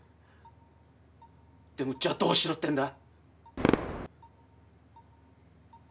でもじゃあどうしろってんだ？